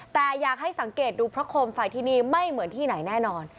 แต่อยากให้สังเกตดูเพราะโคมไฟที่นี่ไม่เหมือนที่ไหนแน่นอน